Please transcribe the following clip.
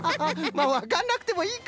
まあわかんなくてもいいか！